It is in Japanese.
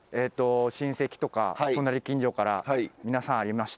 親戚とか隣近所から皆さんありまして。